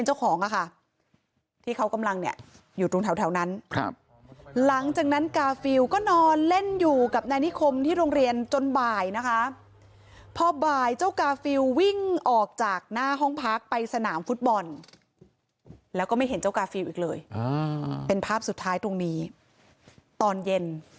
เจ้ากาฟิลเล่นอยู่กับนายนิคมที่โรงเรียนจนบ่ายนะคะพอบ่ายเจ้ากาฟิลวิ่งออกจากหน้าห้องพักไปสนามฟู้ดบอลแล้วก็ไม่เห็นเจ้ากาฟิลอีกเลยเป็นภาพสุดท้ายตรงนี้ตอนเย็น